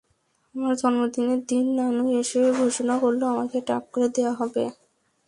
আমার জন্মদিনের দিন নানু এসে ঘোষণা করল, আমাকে টাক করে দেওয়া হবে।